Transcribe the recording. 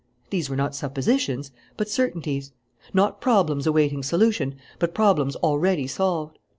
These were not suppositions, but certainties; not problems awaiting solution, but problems already solved.